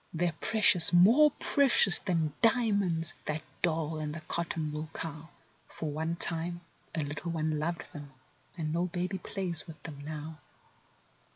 They're precious; more precious than dia¬ monds, that doll and the cotton¬ wool cow. For one time a little one loved them—and no baby plays with them now.